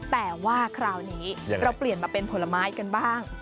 แต่ว่าคราวนี้เราเปลี่ยนมาเป็นผลไม้กันบ้าง